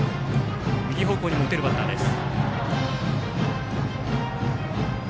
右方向にも打てるバッターです。